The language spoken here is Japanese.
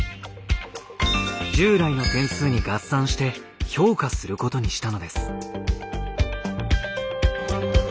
従来の点数に合算して評価することにしたのです。